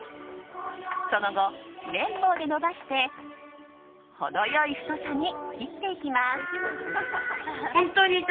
その後、麺棒で伸ばして程良い太さに切っていきます。